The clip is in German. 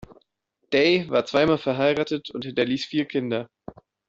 Day war zweimal verheiratet und hinterließ vier Kinder.